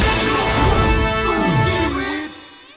สู้ชีวิต